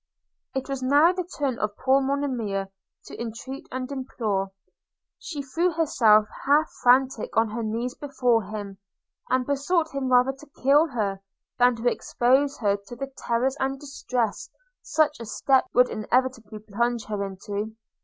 It was now the turn of poor Monimia to entreat and implore; and she threw herself half frantic on her knees before him, and besought him rather to kill her, than to expose her to the terrors and distress such a step would inevitably plunge her into.